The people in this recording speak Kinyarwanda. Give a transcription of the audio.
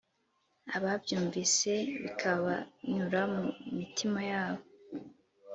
ababyumvise bikabanyura mu mitima yabo